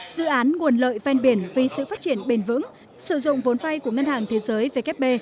dự án nguồn lợi ven biển vì sự phát triển bền vững sử dụng vốn vay của ngân hàng thế giới vkp